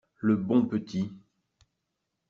Le bon petit!